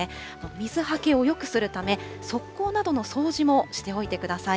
水はけをよくするため、側溝などの掃除もしておいてください。